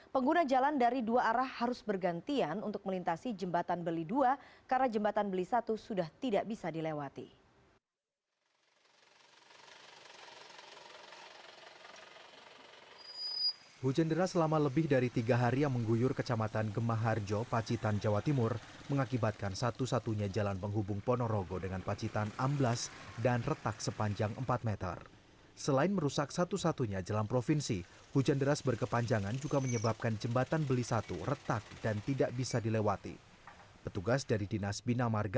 pengguna jalan dari dua arah harus bergantian untuk melintasi jembatan beli dua karena jembatan beli satu sudah tidak bisa dilewati